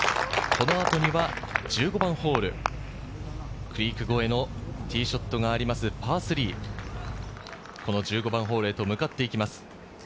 この後には１５番ホール、クリーク越えのティーショットがあります、パー３。１５番ホールへと向かっていきます。